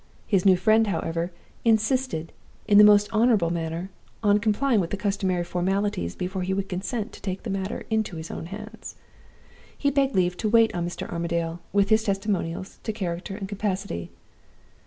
His new friend, however, insisted, in the most honorable manner, on complying with the customary formalities before he would consent to take the matter into his own hands. He begged leave to wait on Mr. Armadale, with his testimonials to character and capacity.